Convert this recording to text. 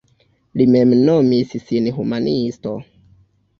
Li mem nomis sin humanisto.